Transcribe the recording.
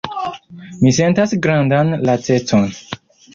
Mi sentas grandan lacecon.“